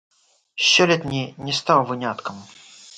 Сёлетні не стаў выняткам.